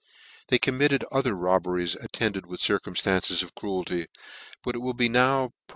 They committed other robberies attended with circumftances ot cruelty j but it will be now pro